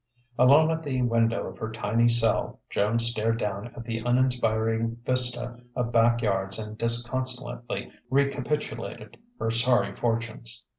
Alone at the window of her tiny cell, Joan stared down at the uninspiring vista of back yards and disconsolately recapitulated her sorry fortunes.